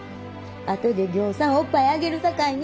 後でぎょうさんおっぱいあげるさかいな。